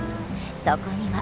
そこには。